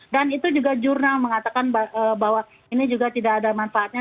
dan itu juga jurnal mengatakan bahwa ini juga tidak ada manfaatnya